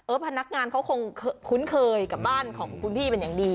พนักงานเขาคงคุ้นเคยกับบ้านของคุณพี่เป็นอย่างดี